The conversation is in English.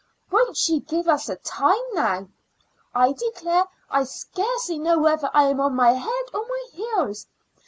Won't she give us a time now? I declare I scarcely know whether I'm on my head or my heels.